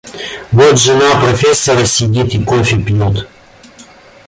Вот жена профессора сидит и кофе пьет.